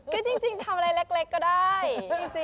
ก็จริงทำอะไรเล็กก็ได้